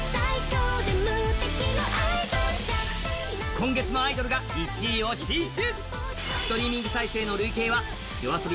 今月も「アイドル」が１位を死守。